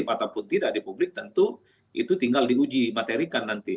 ataupun tidak di publik tentu itu tinggal diuji materikan nanti